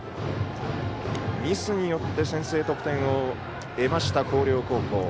ミスによって先制得点を得ました広陵高校。